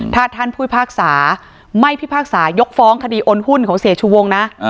ถ้าท่านผู้พิพากษาไม่พิพากษายกฟ้องคดีโอนหุ้นของเสียชูวงนะ